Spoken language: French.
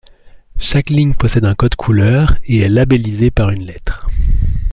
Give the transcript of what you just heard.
Chaque ligne possède un code couleur et est labelisé par une lettre.